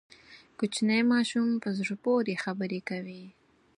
کوچنی ماشوم په زړه پورې خبرې کوي.